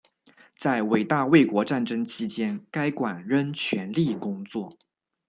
在伟大卫国战争期间该馆仍全力工作。